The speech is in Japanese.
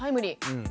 うん。